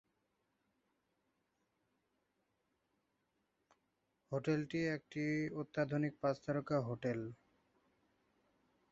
হোটেলটি একটি অত্যাধুনিক পাঁচ তারকা হোটেল।